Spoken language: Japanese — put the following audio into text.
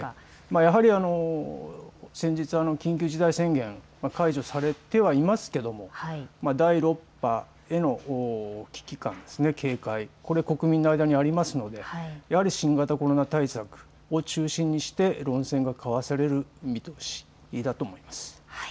やはり先日、緊急事態宣言、解除されてはいますけれども第６波への危機感、警戒、国民の間にありますのでやはり新型コロナ対策を中心にして論戦が交わされる見通しだと思います。